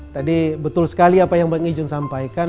tadi betul sekali apa yang bang ijun sampaikan